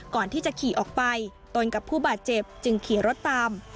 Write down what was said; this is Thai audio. ก่อนที่จะขี่ออกไปตนกับผู้บาดเจ็บจึงขี่รถตาม